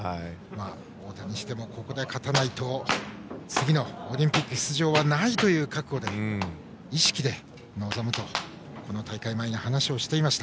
太田にしてもここで勝たないと次のオリンピック出場はないという覚悟で、意識で臨むとこの大会前に話をしていました。